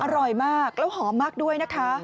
อร่อยมากแล้วหอมมากด้วยนะคะ